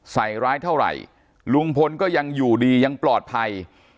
ใส่ร้ายเท่าไหร่ลุงพลก็ยังอยู่ดียังปลอดภัย